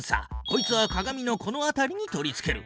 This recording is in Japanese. こいつは鏡のこの辺りに取り付ける。